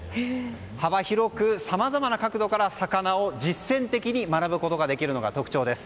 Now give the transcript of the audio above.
幅広くさまざまな角度から魚を実践的に学ぶことができるのが特徴です。